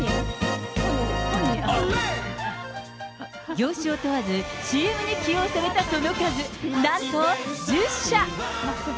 業種を問わず、ＣＭに起用されたその数なんと１０社。